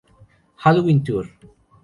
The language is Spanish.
Halloween Tour